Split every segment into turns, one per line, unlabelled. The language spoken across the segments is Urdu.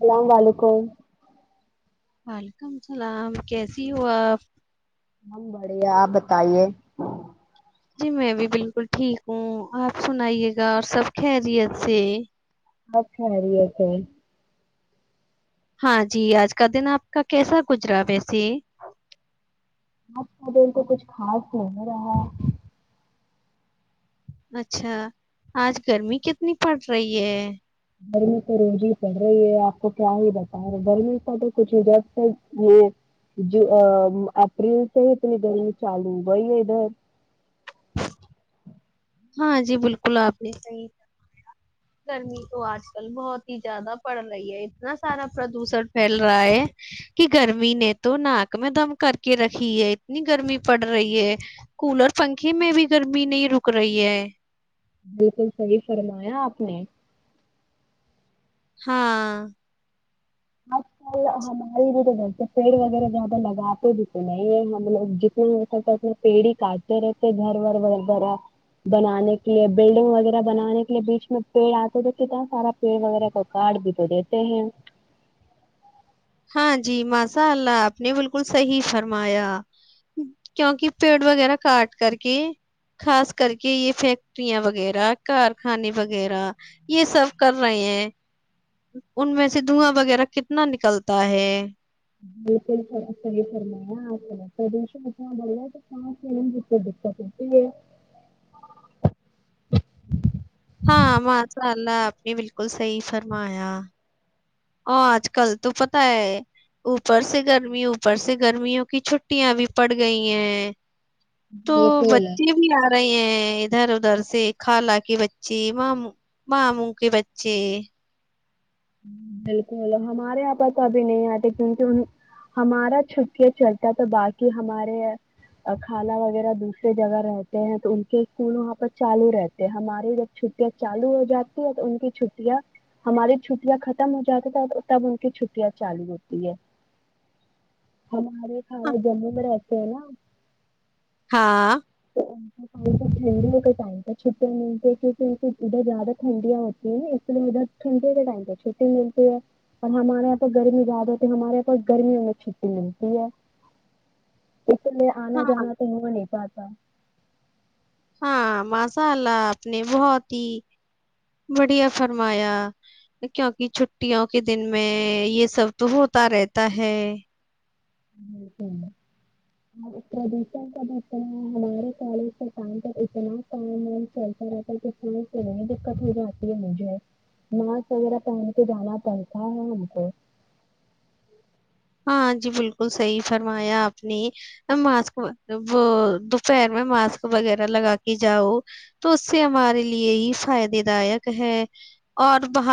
اللام و ععلیکم
وعلیکم السلام کیسی ہو آپ
ہم بڑے ہے آپ بتائیے
جی میں بھی بالکل ٹھیک ہوں آپ سنئیے گا اور سب خیریت سے
اپ خاری ہے تھ
ہاں جی آج کا دن آپ کا کیسا گزرا ویسے
آج کا د ان کو کچھ خاص ہو نہیں رہا
اچھا آج گرمی کتنی پڑ رہی ہے
گرمی تو روز ہی پڑ رہی ہے آپ کو کیا ہی بتا گرمی کا تو کچھ ا جب تک یہ اپریل سے ہی اتنی گرمی چالو ہو گئی ہے ادھر
ہاں جی بالکل آپ نے صحیح گرمی تو آج کل بہت ہی زیادہ پڑ رہی ہے اتنا سارا پردوشن پھیل رہا ہے کہ گرمی نے تو ناک میں دم کر کے رکھی ہے اتنی گرمی پڑ رہی ہے کولر پنکھے میں بھی گرمی نہیں رک رک رہی ہے
بالکل سی فرمایا آپ نے
ہاں
آج کل ہماری بھی تو گھر پیڑ وغیرہ زیادہ لگاتے بھی تو نہیں ہے ہم لوگ جتنا ہو سکتے اتنا پیڑ ہی کاٹتے رہتے گھر و وغیرہ بنانے کے لیے بلڈنگ وغیرہ بنانے کے لیے بیچ میں پیڑ آتے رہتے اتنا سارا پیڑ وغیرہ کا کاٹ بھی تو دیتے ہیں
ہاں جی ماشاء اللہ آپ نے بالکل صحیح فرمایا کیوںکہ پیڑ وغیرہ کاٹ کر کے خاص کر کے یہ فیکٹریاں وغیرہ کارخانے وغیرہ یہ سب کر رہے ہیں ان میں سے دھواں وغیرہ کتنا نکلتا ت ہے
بالکل صحح فرما پردشن اتنا ب تو دقت ہوتی ہے
ہاں ماشاء اللہ آپ نے بالکل صحیح فرمایا ا آج کل تو پت ہے اوپر سے گرمی اوپر سے گرمیوں کی چھٹیاں بھی پڑ گئی ہیں تو
بالکل
بچے بھی آ رہے ہیں ادھر ادھر سے خالا کے بچے مام ماموں کے بچے
بالکل ہمارے یہاں پر تو ابھی نہیں آتے کیونکہ ہمارا چھٹیاں چلتا ہے تو باقی ہمارے خھانہ وغیرہ دوسرے جگہ رہتے ہیں تو ان کے اسکول وہاں پر چالو رہتے ہماری جب چھٹیاں چالو ہو جاتی ہے تو ان کی چھٹیاں ہماری چھٹیاں ختم ہو جاتی تھ تب ان کی چھٹیاں چالو ہوتی ہے ہمارے سارے جموں میں رہتے ہیں نا
ہاں
تو ٹھنڈیوں کا ٹائم تھا چھے م کیک ادھر زیادہ ٹھنڈیاں ہوتی ہیں نا اس لیے ادھر کے ٹائم پہ چھٹی ملتی ہے اور ہمارے یہاں پ گرمی زیادہ ہوتی ہے ہمارے یہاں پ گرمیوں میں چھٹی ملتی ہے اس لیے
ہاں
آنا جانا تو ہو نہیں پاتا س
ہاں ماساء اللہ آپ نے بہت ہی بڑھیا فرمایا کیونکہ چھٹیوں کے دن میں یہ سب تو ہوتا رہتا ہے
بالکل اوردشن کا ب ہے ہمارے کالج کا م پر اتنا کام وم چلتا رہتا م سے نہیں دقت ہو جاتی ہے مجھے ماسک وغیرہ پہن کے جانا پڑتا ہے ہم کو
ہاں جی بالکل صحیح فرمایا آپ نے ماسک وہ دوپہر میں ماسک وغیرہ لگا کے جاؤ تو اس سے ہمارے لیے ہی فائدے دائک ہے اور ب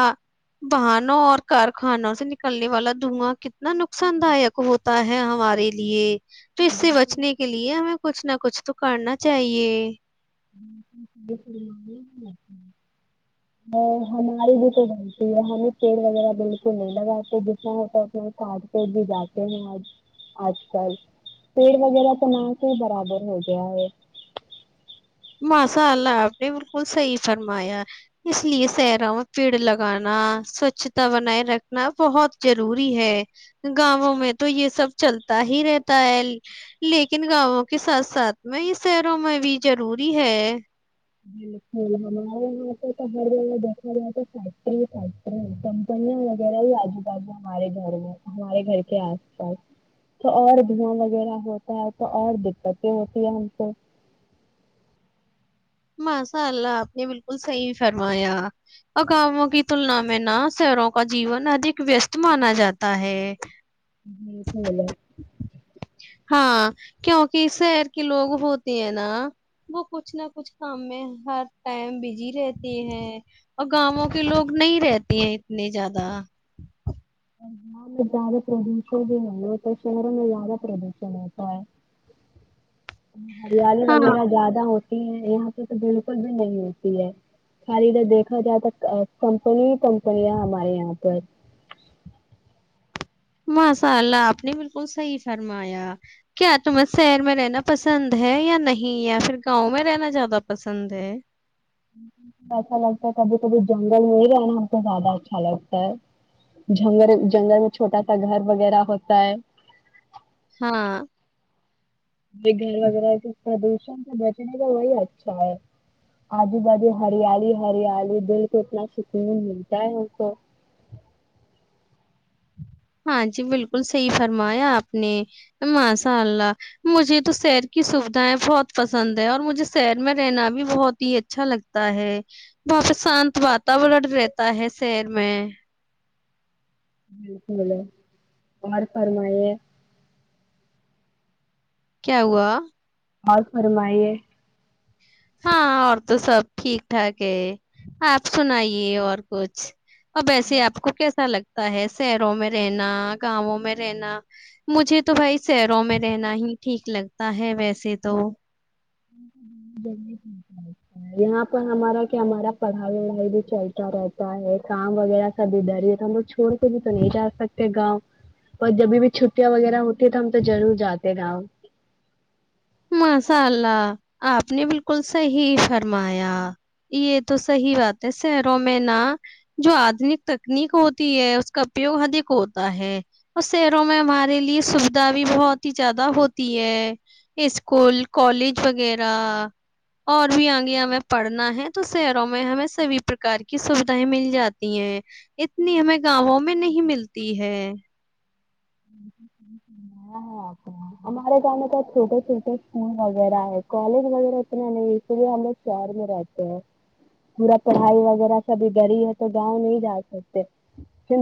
بہنوں اور کارخانوں سے نکلنے والا دھواں نہ نقصان داک ہوتا ہے ہمارے لیے پ اس سے بچنے کے لیے ہمیں کچھ نہ کچھ تو کرنا چاہیے
ہماری بھی تو لتی ہے ہمیں پیڑ وغیرہ بالکل نہیں لگاتے جتنا ہوتانے کاٹ پ بھی جاتے ہیں آج آج کل پیڑ وغیرہ تو نہ کے ہی برابر ہو گیا ہے
ماشاء اللہ آپ نے بالکل صحیح فرمایا اس لیے شہروں میں پیڑ لگانا سوچھتا بنائے رکھنا بہت ضروری ہے گاؤوں میں تو یہ سب چلتا ہی رہتا ہے لیکن گاؤوں کے ساتھ ساتھ میں یہ شہروں میں بھی ضرور بھی ہے
بالک ہمارے یہاں پ تو ہر جگہ دیکھا جائے تو فیکٹری فیکٹری کمپنیاں وغیرہ ہی آجو بازو ہمارے گھر میں ہمارے گھر کے آس پاس تو اور دھیااں وغیرہ ہوتا ہے تو اور دقتیں ہوتی ہے ہم کو
ماشاء اللہ آپ نے بالکل صحیح فرمایا اقاموں کی تلنا میں نہ شہروں کا جیون ادک ویست مانا جاتا ہے
ج ج پ ل
ہاں کیونکہ شہر کے لوگ ہوتے ہیں نا وہ کچھ نہ کچھ کام میں ہر ٹائم بزی رہتے ہیں اور گاؤوں کے لوگ نہیں رہتے ہیں اتنے زیادہ
گاؤں میں زیادہ پردوشن بھی نہیں ہوتا شہروں میں زیادہ پردوشن ہوتا ہے ہریالی
ہاں
وغیرہ زیادہ ہوتی یہاں پہ تو بالکل بھی نہیں ہوتی ہے خالی ادھر دیکھا جائے تو کمپنی ہی کمپنیاں ہمارے یہاں پر
ماشاء اللہ آپ نے بالکل صحیح فرمایا کیا تمیں شہر میں رہنا پسند ہے یا نہیں یا پھر گاؤں میں رہنا زیادہ پسند ہے
ایچسا لگتا ہے کبھی کبھی جنگل میں ہی رہنا ہم کو زیادہ اچھا لگتا ہے جنگل جنگل میں چھوٹا سا گھر وغیرہ ہوتا ہے
ہاں
یہ گھر وغیرہ کے پردوشن سے بچنے کا وہی اچھا ہے آجو باازو ہریالی ہریالی دل کو اتنا سکون ملتا ہے ان کو
ہاں جی بالکل صحیح فرمایا آپ نے ماشاء اللہ مجھے تو شہر کی سوھائیں بہت پسند ہے اور مجھے شہر میں رہنا بھی بہت ہی اچھا لگتا ہے بہت شانت واتورن رہتا ہے شہر میں
بالکل اور فرمائی
کیا ہوا
اور فرمائیے
ہاں اور تو سب ٹھیک ٹھاک ہے آپ سنائیے اور کچھ اور ویسے آپ کو کیسا لگتا ہے شہروں میں رہنا گاؤوں میں رہنا مجھے تو بھائی شہروں میں رہنا ہی ٹھیک لگتا ہے ویسے تو
ی یہاں پر ہمارا کیا ہمارا پڑھائی وڑھائی بھی چلتا رہتا ہے کام وغیرہ سب ادھر ہی ہے تو ہم لوگ چھوڑ کے بھی تو نہیں جا سکتے گاؤں اور جبھی بھی چھٹیاں وغیرہ ہوتی ہے تو ہم تو ضرور جاتے گاؤں
ماشاء اللہ آپ نے بالکل صحیح فرمایا یہ تو صحی بات ہے شہروں میں نا جو آدنک تکنیک ہوتی ہے اس کا اپیوگ ادھک ہوتا ہے اور شہروں میں ہمارے لیے سوھا بھی بہت ہی زیادہ ہوتی ہے اسکول کالج وغیرہ اور بھی آگے ہمیں پڑھنا ہے تو شہروں میں ہمیں سبھی پرکار کی سوھائیں مل جاتی ہیں اتنی ہمیں گاؤوں میں نہیں ملتی ہے
آ ہمارے گاؤں میں تو چھوٹے چھوٹے اسکول وغیرہ ہے کالج وغیرہ اتنا نہیں ہے اسی لیے ہم لوگ شہر میں رہتے ہیں پورا پڑھائی وغیرہ سبھی گڑی ہے تو گاؤں نہیں جا سکتے پ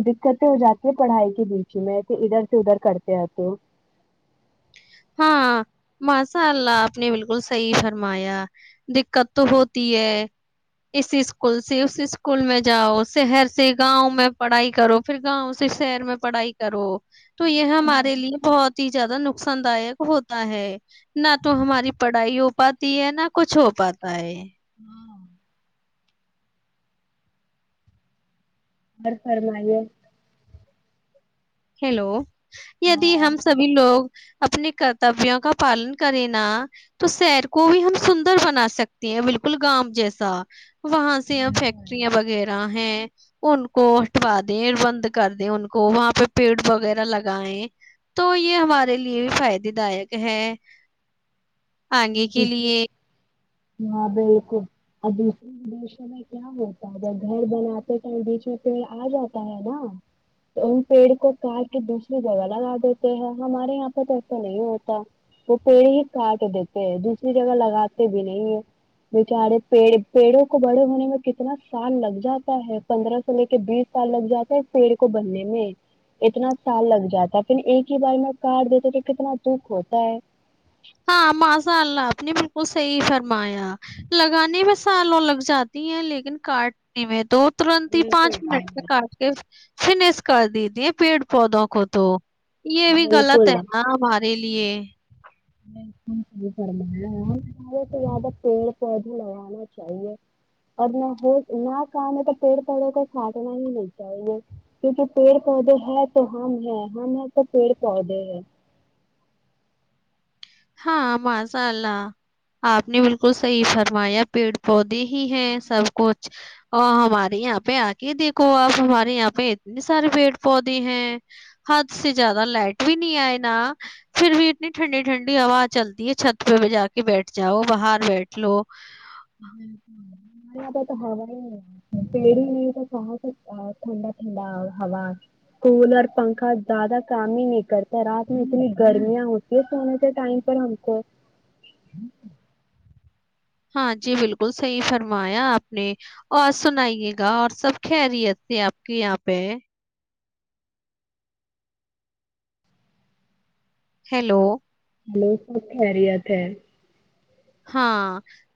دقتیں ہو جاتی ہے پڑھائی کے بیچے میں تو ادھر سے ادھر کرتے ہیںتے [unintelligible]
ہاں ماشاء اللہ آپ نے بالکل صحیح فرمایا دقت تو ہوتی ہے اس اسکول سے اس اسکول میں جاؤ شہر سے گاؤں میں پڑھائی کرو پھر گاؤں سے شہر میں پڑھائی کرو تو یہ ہمارے لیے بہت ج زیاہ نقان داک ہوتا ہے نہ تو ہماری پڑھائی ہو پاتی ہے نہ کچھ ہو پاتا ہے
اورر فرمائیے
ہیلو یدی ہم سبھی لوگ اپنے کرتبیوں کا پالن کرےینا تو شہر کو بھی ہم سندر بنا سکتے ہیں بالکل گاؤ جیسا وہاں سے فیکٹریاں وغیرہ ہیں ان کو ہٹوا دیں بند کر دیں ان کو وہاں پہ پیڑ وغیرہ لگیں تو یہ ہمارے لیے بھی فائدے دائک ہے آگے کے لیے
ہاں بالکل اور دوسرےدشوں میں کیا ہوتا ہے جگر گھر بناتے بیچ میں پیڑ آ جاتا ہے نا تو ان پیڑ کو کاٹ کے دوسری جگہ لگا دیتے ہیں ہمارے یہاں پہ تو ایسا نہیں ہوتا وہ پیڑ ہی کاٹ دیتے دوسری جگہ لگاتے بھی نہیں ہے بیچارے پڑ پیڑوں کو بڑے ہونے میں کتنا سال لگ جاتا ہے پندرہ سو لے کے بیس سال لگ جاتا ہے پیڑ کو بھرنے میں اتنا سال لگ جاتا ہے پھر ایک ہی بار میں کاٹ دیتے تو کتنا دکھ ہوتا ہے
ہاں ماسا اللہ آپ نے بالکل صحیح فرمایا لگانے میں سالوں لگ جاتی ہیں لیکن کاٹنے میں دو ترنت ہی
بالکل
پانچ منٹ
بھائی
تک کاٹ کے فنس کر دی دیے پیڑ پودوں کو تو یہ بھی
بالکل
غلط ہے
بالکل
نا ہمارے لیے
بی فرمانا ہے ہم زیادے سے زیادہ پیڑ پودے لگانا چاہیے اور نہ ہو نہ کام ہے تو پیڑ پودوں کو سانٹنا ہی نہیں چاہیے کیونکہ پیڑ پودے ہے تو ہم ہے ہم ہے تو پیڑ پودے ہے [unintelligible]
ہاں ماساء اللہ آپ نے بالکل صحیح فرمایا پیڑ پودے ہی ہیں سب کچھ اور ہمارے یہاں پہ آ کے دیکھو آپ ہمارے یہاں پہ اتنے سارے پیڑ پودے ہیں حد سے زیادہ لائٹ بھی نہیں آئے نا پھر بھی اتنی ٹھنڈی ٹھنڈی بڑی ہوا ہا چلتی ہے چھت پہ جا کے بیٹھ جاؤ باہر بیٹھ لو
ہمارے یہاں پہ تو ہوا ہی نہیں آ پیڑ ہی نہیں تو س ٹھنڈا ٹھنڈا ہوا کولر پنکھا زیادہ کام ہی نہیں کرتا رات میں اتنی گرمیاں ہوتی ہے سونے کے ٹائم پر ہم کو
ہاں جی بالکل صحیح فرمایا آپ نے اور سنائیے گا اور سب خیریت سے آپ کے یہاں پہ ہے ہیلو
ہلو سب خیریت ہے
ہاں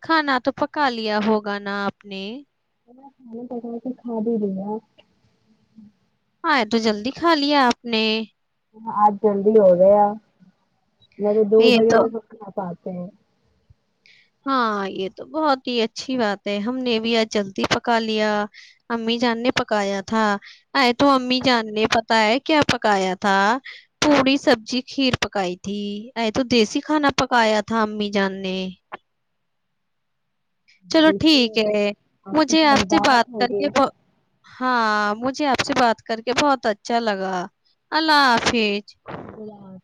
کھانا تو پکا لیا ہوگا نا آپ نے
کھ پکا پ کھا بھی دیا [unintelligible]
ہاںئے تو جلدی کھا لیا آپ نے
آج جلدی ہو گئے آ میںط تو دو
یہ
بجے ت
تو
س پا [unintelligible] ہ [unintelligible]
ہاں یہ تو بہت ہی اچھی بات ہے ہم نے بھی آج جلدی پکا لیا امی جان نے پکایا تھا ائےے تو امی جان نے پتا ہے کیا پکایا تھا پوڑی سبزی کھیر پکائی تھی ائے تو دیسی کھانا پکایا تھا امی جان نے [unintelligible] چلو ٹھیک
جیسے
ہے
کے
مجھے آپ
پاس
سے بات
دعوت ہوگی
کرےت ہاں مجھ ج آپ سے بات کر کے بہت اچھا لگا اللہ حافج
تو رات